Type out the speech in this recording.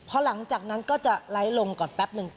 พอหลังจากนั้นก็จะไลค์ลงก่อนแป๊บนึง